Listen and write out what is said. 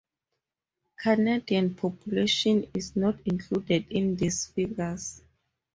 Canadian population is not included in these figures.